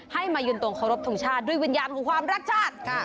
ให้มายุนตรงขอรบทุกชาติด้วยวิญญาณของความรักชาติ